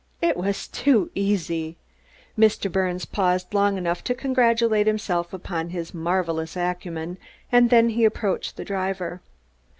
It was too easy! Mr. Birnes paused long enough to congratulate himself upon his marvelous acumen, and then he approached the driver.